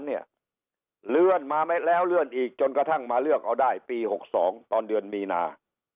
เลื่อนมาเม็ดแล้วเลื่อนอีกจนกระทั่งมาเลือกเอาได้ปี๖๒ตอนเดือนมีนา